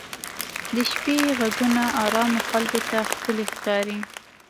د شپې ږغونه ارامو خلکو ته ښکلي ښکاري.